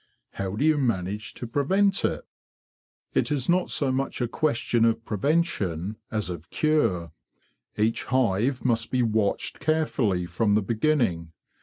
How do you manage to prevent it? " '"It is not so much a question of prevention as of HEREDITY IN THE BEE GARDEN $55 cure. Each hive must be watched carefully from the beginning.